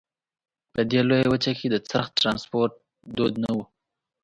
په دې لویه وچه کې د څرخ ټرانسپورت دود نه وو.